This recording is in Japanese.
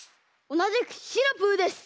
おなじくシナプーです。